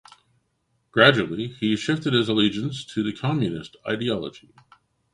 Gradually he shifted his allegiance to the communist ideology.